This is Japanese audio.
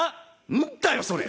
んだよそれ！